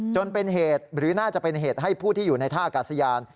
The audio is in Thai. จนเป็นเหตุหรือน่าจะเป็นเหตุให้ผู้ที่อยู่ในท่าอากาศยาน